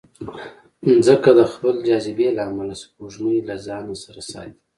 مځکه د خپل جاذبې له امله سپوږمۍ له ځانه سره ساتي.